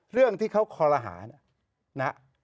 เรื่องที่เขาคอลหานะ